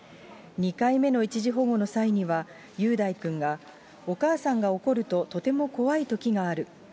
２回目の一時保護の際には、雄大君がお母さんが怒るととても怖いときがある。